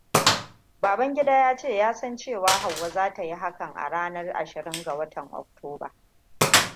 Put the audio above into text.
Babangida yace yasan cewa Hauwa zata yi hakan a ranan ashirin ga wata Oktoba.